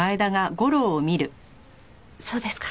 そうですか。